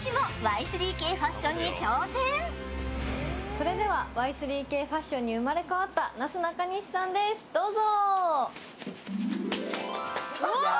それではＹ３Ｋファッションに生まれ変わったなすなかにしさんです、どうぞ。